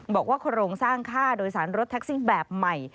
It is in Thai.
บอกว่าโครงสร้างค่าโดยสารรถแท็กซี่แบบใหม่